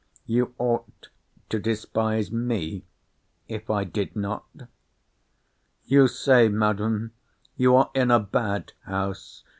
You ought to despise me, if I did not. You say, Madam, you are in a bad house.